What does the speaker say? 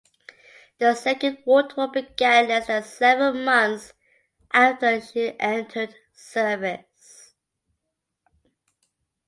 The Second World War began less than seven months after she entered service.